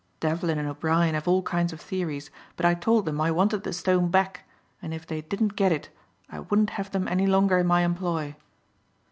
_ "Devlin and O'Brien have all kinds of theories but I told them I wanted the stone back and if they didn't get it I wouldn't have them any longer in my employ.